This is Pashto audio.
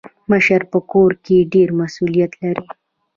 مشر په کور کي ډير مسولیت لري.